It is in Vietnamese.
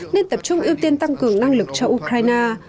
nên tập trung ưu tiên tăng cường năng lực cho ukraine